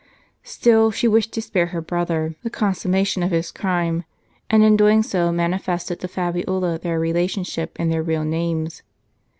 Still she wished to spare her brother the consummation of his crime, and in doing so manifested to Fabiola their relationship and their real names.